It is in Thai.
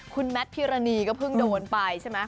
คุณแมทพิรณีก็เพิ่งโดนไปใช่ไหม